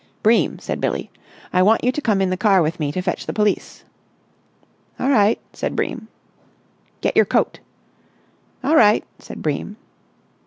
"Bream," said Billie, "I want you to come in the car with me to fetch the police." "All right," said Bream. "Get your coat." "All right," said Bream.